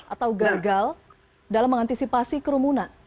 atau gagal dalam mengantisipasi kerumunan